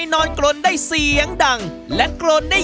การนอนกรนนั่นก็สามารถเป็นการแข่งขันได้